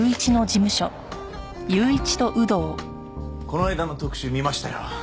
この間の特集見ましたよ。